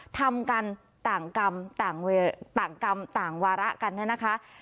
ทำกันต่างกรรมต่างเวลาต่างกรรมต่างวาระกันนะคะ